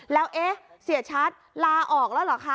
แล้วเอ๊เสียชัตริย์ลาออกแล้วหรอกคะ